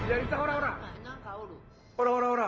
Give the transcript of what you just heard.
ほらほらほら。